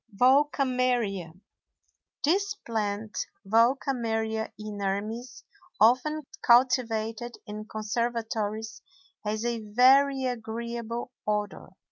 VOLKAMERIA. This plant, Volkameria inermis, often cultivated in conservatories, has a very agreeable odor.